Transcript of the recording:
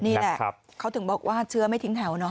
นี่แหละเขาถึงบอกว่าเชื้อไม่ทิ้งแถวเนอ